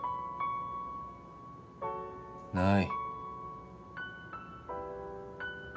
ない